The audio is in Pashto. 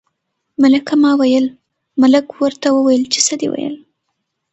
ملکه ما ویل، ملک ورته وویل چې څه دې ویل.